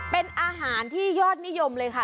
เป็นอาหารที่ยอดนิยมเลยค่ะ